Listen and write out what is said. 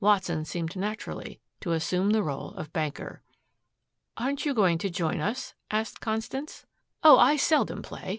Watson seemed naturally to assume the role of banker. "Aren't you going to join us?" asked Constance. "Oh, I seldom play.